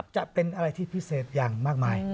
จะเป็นอะไรที่พิเศษอย่างมากมาย